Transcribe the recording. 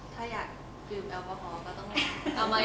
แต่ว่าทุกคนก็ถ้าอยากกลืมแอลปอฮอล์ก็ต้องเอามาเอง